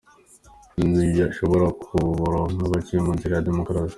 Ntibashobora kuburonka baciye mu nzira ya demokrasi.